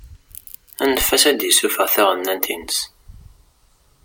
Anef-as ad d-isuffeɣ taɣennant-ines.